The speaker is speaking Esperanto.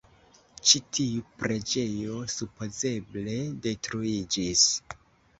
Ĉi tiu preĝejo supozeble detruiĝis.